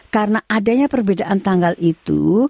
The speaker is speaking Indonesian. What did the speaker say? karena adanya perbedaan tanggal itu